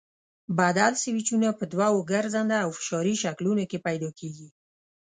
بدل سویچونه په دوو ګرځنده او فشاري شکلونو کې پیدا کېږي.